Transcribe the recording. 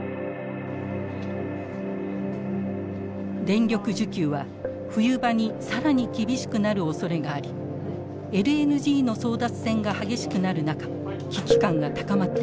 電力需給は冬場に更に厳しくなるおそれがありＬＮＧの争奪戦が激しくなる中危機感が高まっています。